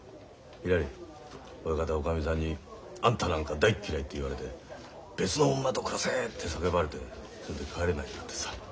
ひらり親方はおかみさんに「あんたなんか大っ嫌い」って言われて「別の女と暮らせ」って叫ばれてそれで帰れないんだってさ。